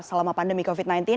selama pandemi covid sembilan belas